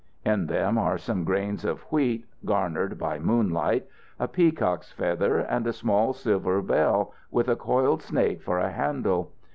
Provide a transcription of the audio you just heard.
In them are some grains of wheat, garnered by moonlight, a peacock's feather, and a small silver bell with a coiled snake for a handle.